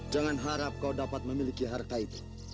jangan harap kau dapat memiliki harta itu